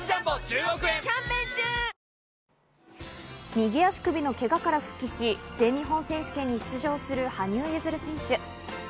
右足首のけがから復帰し、全日本選手権に出場する羽生結弦選手。